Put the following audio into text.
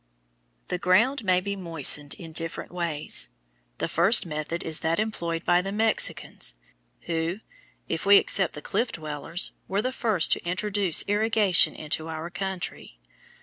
The ground may be moistened in different ways. The first method is that employed by the Mexicans, who, if we except the Cliff Dwellers, were the first to introduce irrigation into our country.